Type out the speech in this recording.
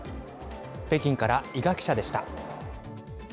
北京から、伊賀記者でした。